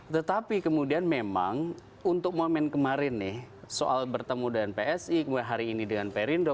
tetapi kemudian memang untuk momen kemarin nih soal bertemu dengan psi kemudian hari ini dengan perindo